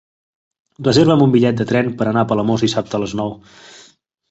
Reserva'm un bitllet de tren per anar a Palamós dissabte a les nou.